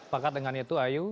pakat dengan itu ayu